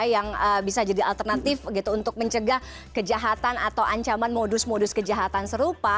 yang bisa jadi alternatif untuk mencegah kejahatan atau ancaman modus modus kejahatan serupa